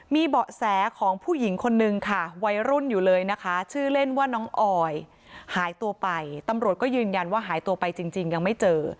มีเบาะแสของผู้หญิงคนนึงค่ะวัยรุ่นอยู่เลยนะคะชื่อเล่นว่าน้องออยหายตัวไปตำรวจก็ยืนยันว่าหายตัวไปจริงยังไม่เจอ